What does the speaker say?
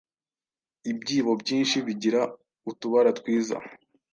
Ibyibo byinshi bigira utubara twiza.